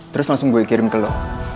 terus langsung gue kirim ke lo